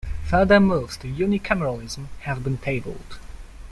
Further moves to unicameralism have been tabled.